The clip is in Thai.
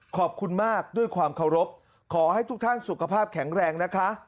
ขอบคุณมากด้วยความเคารพขอให้ทุกท่านสุขภาพแข็งแรงนะคะ